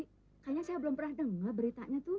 kayaknya saya belum pernah dengar beritanya tuh